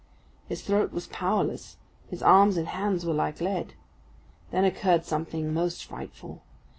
His throat was powerless, his arms and hands were like lead. Then occurred something most frightful.